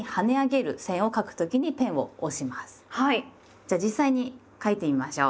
じゃあ実際に書いてみましょう。